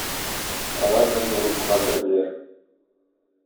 Алар радиорубкага керделәр.